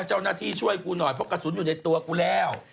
เจ้าหน้าที่ช่วยกูหน่อยเพราะกระสุนอยู่ในตัวกูแล้ว